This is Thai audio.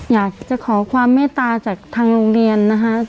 อยากจะขอความเมตตาจากทางโรงเรียนนะคะ